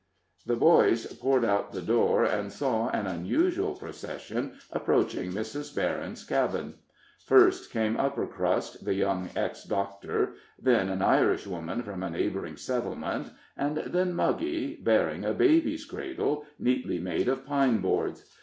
The boys poured out the door, and saw an unusual procession approaching Mrs. Berryn's cabin; first came Uppercrust, the young ex doctor, then an Irishwoman from a neighboring settlement, and then Muggy, bearing a baby's cradle, neatly made of pine boards.